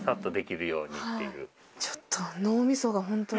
ちょっと。